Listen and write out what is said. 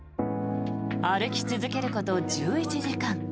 歩き続けること１１時間。